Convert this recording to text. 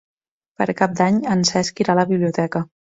Per Cap d'Any en Cesc irà a la biblioteca.